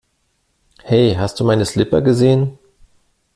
Hey hast du meine Slipper gesehen?